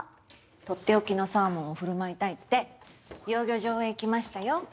とっておきのサーモンを振る舞いたいって養魚場へ行きましたよ。